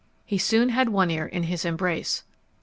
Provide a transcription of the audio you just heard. He soon had One Ear in his embrace.